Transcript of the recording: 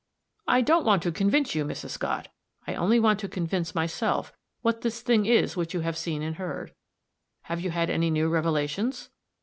"I don't want to convince you, Mrs. Scott; I only want to convince myself what this thing is which you have seen and heard. Have you had any new revelations?"